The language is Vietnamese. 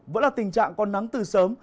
vẫn là tình trạng con nắng từ sớm